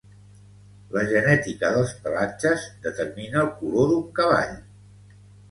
La genètica dels pelatges determina el color d'un cavall.